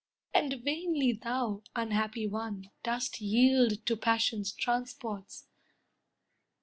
And vainly thou, unhappy one, dost yield To passion's transports.